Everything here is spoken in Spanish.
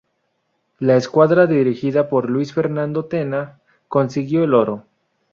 La escuadra dirigida por Luis Fernando Tena consiguió el oro.